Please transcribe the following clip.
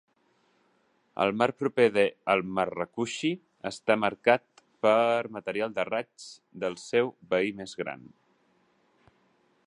El mar proper a Al-Marrakushi està marcat per material de raigs del seu veí més gran.